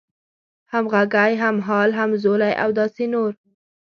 همغږی، هممهال، همزولی او داسې نور